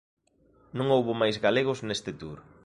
Non houbo máis galegos neste Tour.